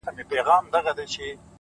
اوس له كندهاره روانـېـــږمه،